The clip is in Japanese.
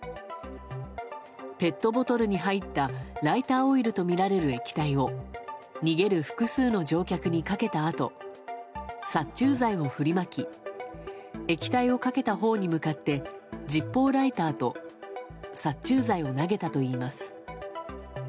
ペットボトルに入ったライターオイルとみられる液体を逃げる複数の乗客にかけたあと殺虫剤を振りまき液体をかけたほうに向かってジッポーライターと殺虫剤を投げたといいます。